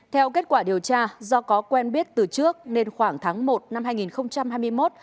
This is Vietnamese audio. theo kết quả điều tra do có quen biết từ trước nên khoảng tháng một năm hai nghìn hai mươi một